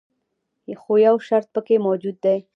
خو یو شرط پکې موجود دی.